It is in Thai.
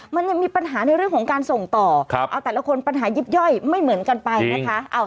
มันยังมีปัญหาในเรื่องของการส่งต่อเอาแต่ละคนปัญหายิบย่อยไม่เหมือนกันไปนะคะ